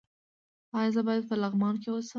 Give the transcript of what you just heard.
ایا زه باید په لغمان کې اوسم؟